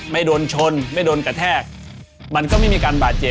ไม่โดนชนไม่โดนกระแทก